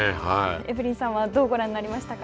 エブリンさんはどうご覧になりま